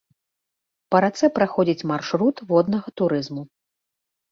Па рацэ праходзіць маршрут воднага турызму.